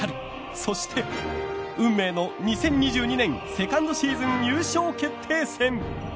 そして、運命の２０２２年セカンドシーズン優勝決定戦。